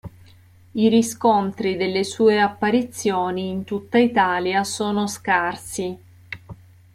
I riscontri delle sue apparizioni in tutta Italia sono scarsi.